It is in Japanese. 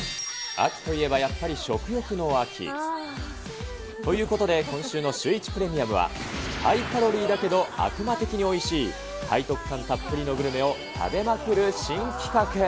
秋といえば、やっぱり食欲の秋。ということで、今週のシューイチプレミアムは、ハイカロリーだけど悪魔的においしい、背徳感たっぷりのグルメを食べまくる新企画。